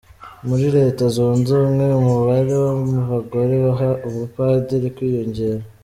Muri Leta Zunze Ubumwe umubare w’abagore baha ubupadiri kwiyongera.